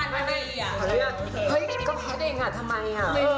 เฮ้ยก็แพทย์เองอ่ะทำไมอ่ะ